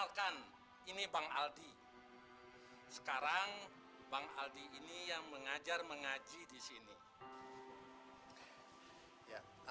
sampai jumpa di video selanjutnya